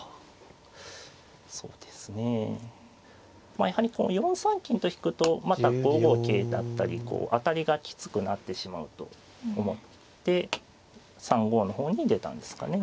まあやはり４三金と引くとまた５五桂だったりこう当たりがきつくなってしまうと思って３五の方に出たんですかね。